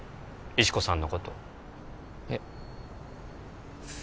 石子さんのことえっ？